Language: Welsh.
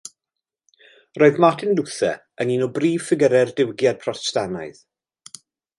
Roedd Martin Luther yn un o brif ffigurau'r Diwygiad Protestannaidd.